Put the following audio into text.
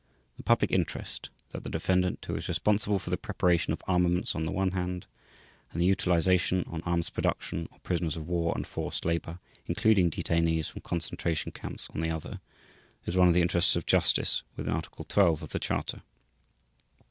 The public interest, that the defendant who is responsible for the preparation of armaments on the one hand, and the utilisation on arms production, of prisoners of war and forced labour, including detainees from Concentration Camps on the other, is one of "the interests of justice" within Article 12 of the Charter.